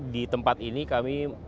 di tempat ini kami